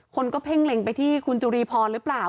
คนก็เพ่งเล็งไปที่คุณจุรีพรหรือเปล่า